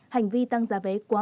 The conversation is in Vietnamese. hành vi tăng giả vé quá khứ